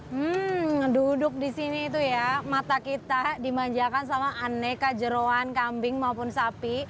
hmm duduk di sini itu ya mata kita dimanjakan sama aneka jeruan kambing maupun sapi